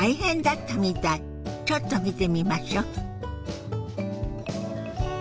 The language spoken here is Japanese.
ちょっと見てみましょ。